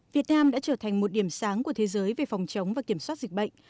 việt nam đã trở thành một điểm sáng của thế giới về phòng chống và kiểm soát dịch bệnh